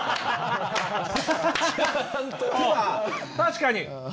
確かに！